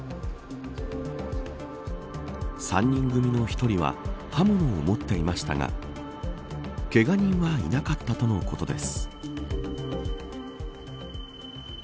３人組の１人は刃物を持っていましたがけが人はいなかったとのことです。